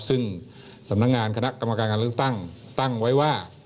ซึ่งสำนักงานคณะกรรมการการเลือกตั้งตั้งไว้ว่า